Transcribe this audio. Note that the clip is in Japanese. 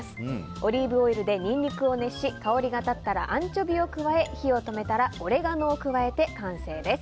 オリーブオイルでニンニクを熱し香りが立ったらアンチョビを加え火を止めたらオレガノを加えて完成です。